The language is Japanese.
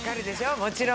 もちろん。